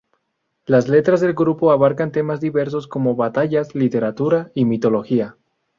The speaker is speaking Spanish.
Las letras del grupo abarcan temas diversos como batallas, literatura y mitología.